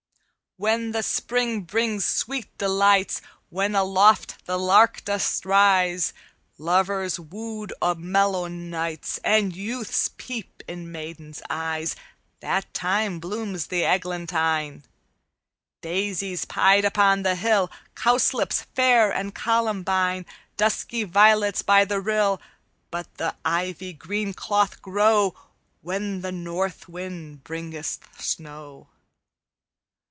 "_When the spring brings sweet delights, When aloft the lark doth rise, Lovers woo o' mellow nights, And youths peep in maidens' eyes, That time blooms the eglantine, Daisies pied upon the hill, Cowslips fair and columbine, Dusky violets by the rill. But the ivy green cloth grow When the north wind bringeth snow.